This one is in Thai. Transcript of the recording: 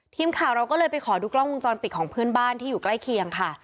ทีมข่าวเราก็เลยไปขอดูกล้องวงจรปิดของเพื่อนบ้านที่อยู่ใกล้เคียงค่ะ